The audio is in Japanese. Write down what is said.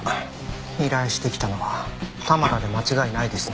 依頼してきたのは玉田で間違いないですね？